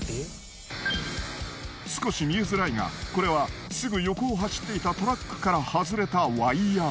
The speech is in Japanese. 少し見えづらいがこれはすぐ横を走っていたトラックから外れたワイヤー。